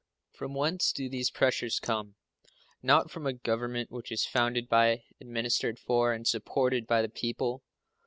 From whence do these pressures come? Not from a Government which is founded by, administered for, and supported by the people.